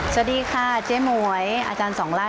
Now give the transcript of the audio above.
สวัสดีค่ะเจ๊หมวยอาจารย์สองไล่